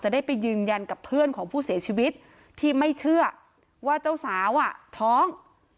ได้ไปยืนยันกับเพื่อนของผู้เสียชีวิตที่ไม่เชื่อว่าเจ้าสาวอ่ะท้อง